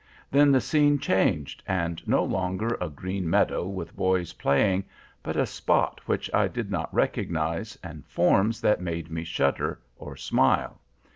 Then the scene changed, and no longer a green meadow with boys playing, but a spot which I did not recognize, and forms that made me shudder or smile.